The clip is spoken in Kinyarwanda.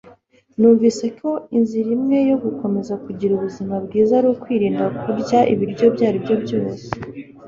numvise ko inzira imwe yo gukomeza kugira ubuzima bwiza ari ukwirinda kurya ibiryo ibyo aribyo